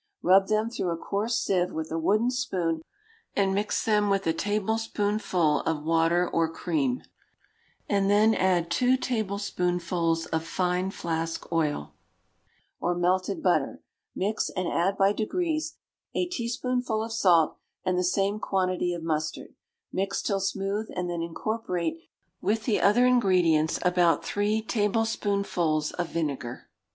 Rub them through a coarse sieve with a wooden spoon, and mix them with a tablespoonful of water or cream, and then add two tablespoonfuls of fine flask oil, or melted butter; mix, and add by degrees a teaspoonful of salt, and the same quantity of mustard: mix till smooth, and then incorporate with the other ingredients about three tablespoonfuls of vinegar.